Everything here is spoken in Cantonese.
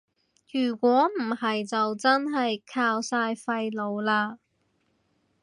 如果唔係就真係靠晒廢老喇